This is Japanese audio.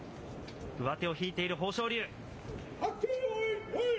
上手を引いている豊昇龍。